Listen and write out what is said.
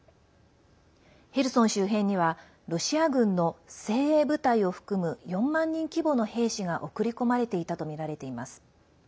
ヘルソン周辺にはロシア軍の精鋭部隊を含む４万人規模の兵士が送り込まれていたとみられています。